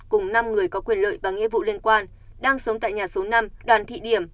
cùng năm người có quyền lợi và nghĩa vụ liên quan đang sống tại nhà số năm đoàn thị điểm